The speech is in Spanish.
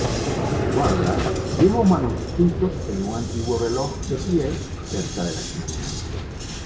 Guarda viejos manuscritos en un antiguo reloj de pie cerca de la chimenea.